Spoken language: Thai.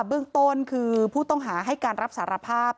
เบื้องต้นคือผู้ต้องหาให้การรับสารภาพ